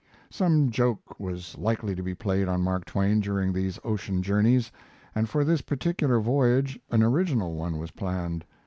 ] Some joke was likely to be played on Mark Twain during these ocean journeys, and for this particular voyage an original one was planned.